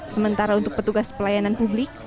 sementara untuk petugas pelayanan publik